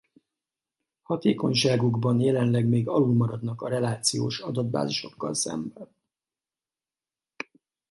Hatékonyságukban jelenleg még alulmaradnak a relációs adatbázisokkal szemben.